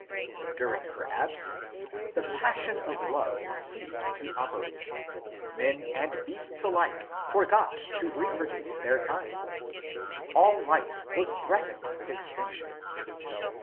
During her absence the passion of love ceased to operate : men and beasts alike forgot to reproduce their kinds ; all life was threatened with extinction.